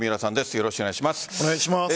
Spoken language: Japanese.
よろしくお願いします。